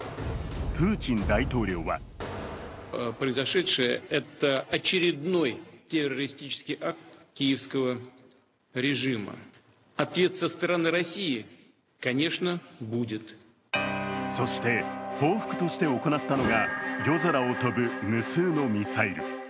プーチン大統領はそして報復として行ったのが夜空を飛ぶ無数のミサイル。